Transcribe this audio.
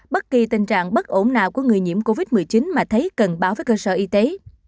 một mươi một bất kỳ tình trạng bất ổn nào của người nhiễm covid một mươi chín mà thấy cần báo với cơ sở y tế